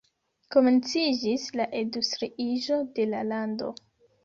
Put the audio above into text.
Komenciĝis la industriiĝo de la lando.